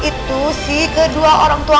itu sih kedua orang tua